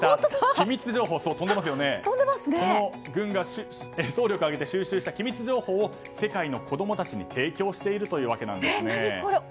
軍が総力を挙げて収集した機密情報を世界の子供たちに提供しているというわけなんです。